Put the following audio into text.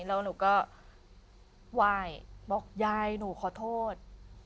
แล้วหนูก็ไหว้บอกยายหนูขอโทษ